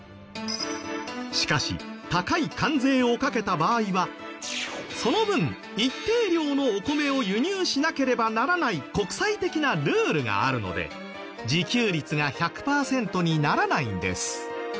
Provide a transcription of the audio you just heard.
しかし高い関税をかけた場合はその分一定量のお米を輸入しなければならない国際的なルールがあるので自給率が１００パーセントにならないんです。